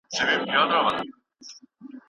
د ملایکو اوښکې رغړي د هوا ګریوان کې،